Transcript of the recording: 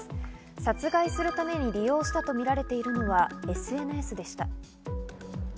殺害するために利用したとみられているのはＳＮＳでした。